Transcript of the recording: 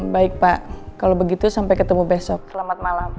baik pak kalau begitu sampai ketemu besok selamat malam